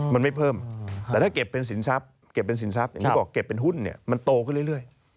มันไม่เพิ่มแต่ถ้าเก็บเป็นสินทรัพย์เก็บเป็นหุ้นมันโตขึ้นเรื่อย